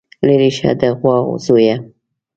ليرې شه د غوا زويه.